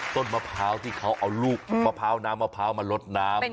ต้นมะพร้าวที่เขาเอาลูกมะพร้าวน้ำมะพร้าวมาลดน้ำ